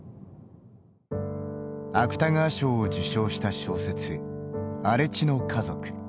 芥川賞を受賞した小説「荒地の家族」。